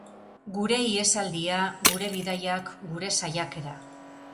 Gure ihesaldia, gure bidaiak, gure saiakera...